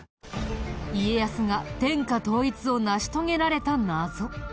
家康が天下統一を成し遂げられた謎。